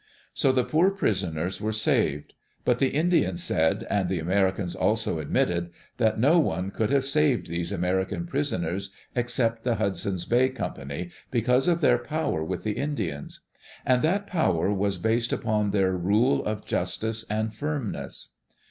So the poor prisoners were saved. But the Indians said, and the Americans also admitted, that no one could have saved these American prisoners except the Hudson's Bay Company, because of their power with the Indians. And that power was based upon their rule of justice and firmness.